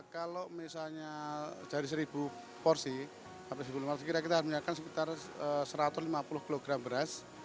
kalau misalnya dari satu porsi kita akan memiliki sekitar satu ratus lima puluh kg beras